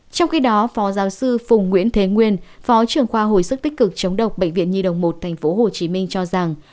trong khi đó phó giáo sư phùng nguyễn thế nguyên phó trưởng khoa hồi sức tích cực chống độc bệnh viện nhi đồng một tp hcm cho rằng